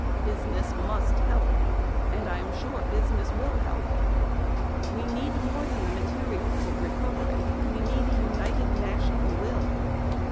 Business must help. And I am sure business will help. "We need more than the materials of recovery. We need a united national will.